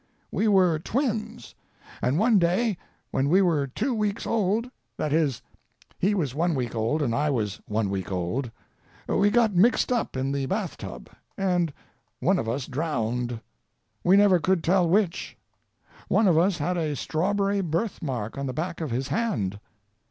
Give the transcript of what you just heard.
"We were twins, and one day when we were two weeks old—that is, he was one week old, and I was one week old—we got mixed up in the bath tub, and one of us drowned. We never could tell which. One of us had a strawberry birthmark on the back of his hand.